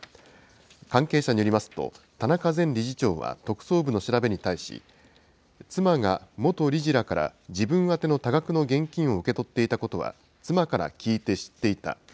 関係者によりますと、田中前理事長は特捜部の調べに対し、妻が元理事らから自分宛ての多額の現金を受け取っていたことは、妻から聞いて知っていた。